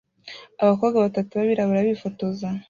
Abakobwa batatu b'abirabura bifotoza